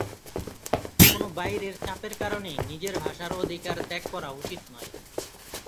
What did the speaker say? কোন বাইরের চাপের কারণে নিজের ভাষার অধিকার ত্যাগ করা উচিত নয়।